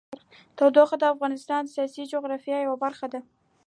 تودوخه د افغانستان د سیاسي جغرافیه یوه برخه ده.